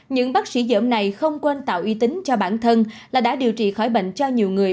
những bác sĩ dởm này không quên tạo uy tín cho bản thân là đã điều trị khỏi bệnh cho nhiều người